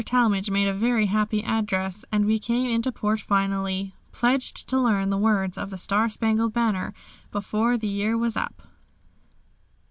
Talmage made a very happy address, and we came into port finally, pledged to learn the words of "The Star Spangled Banner" before the year was up.